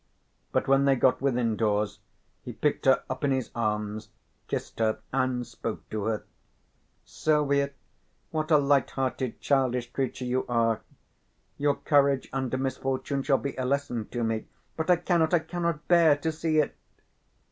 But when they got within doors he picked her up in his arms, kissed her and spoke to her. "Silvia, what a light hearted childish creature you are. Your courage under misfortune shall be a lesson to me, but I cannot, I cannot bear to see it."